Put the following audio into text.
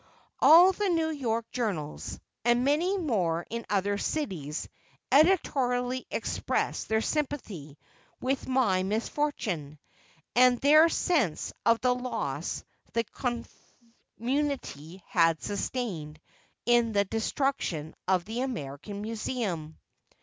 All the New York journals, and many more in other cities, editorially expressed their sympathy with my misfortune, and their sense of the loss the community had sustained in the destruction of the American Museum.